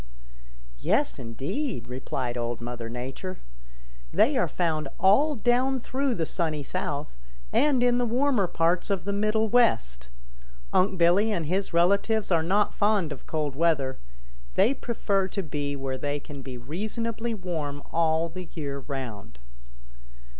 "Yes, indeed," replied Old Mother Nature. "They are found all down through the Sunny South, and in the warmer parts of the Middle West. Unc' Billy and his relatives are not fond of cold weather. They prefer to be where they can be reasonably warm all the year round.